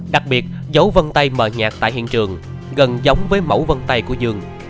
đặc biệt dấu vân tay mờ nhạt tại hiện trường gần giống với mẫu vân tay của dương